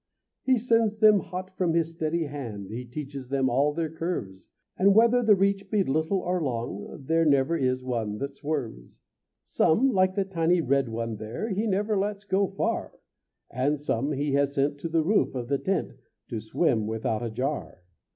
He sends them hot from his steady hand, He teaches them all their curves; And whether the reach be little or long, There never is one that swerves. Some, like the tiny red one there, He never lets go far; And some he has sent to the roof of the tent To swim without a jar.